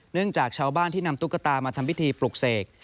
จากชาวบ้านที่นำตุ๊กตามาทำพิธีปลุกเสก